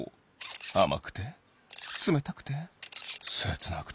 あまくてつめたくてせつなくて！